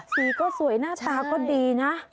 สีก็สวยหน้าตาก็ดีนะ